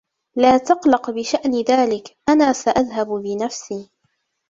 لا تقلق بشأن ذلك, أنا سأذهب بنفسي.